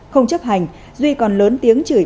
không chấp hành duy còn lớn tiếng chửi